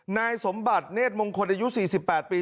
นายสมบัติเนธมงคลอายุ๔๘ปี